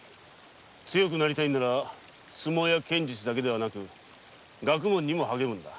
強くなりたいのなら相撲や剣術だけでなく学問にも励むのだ。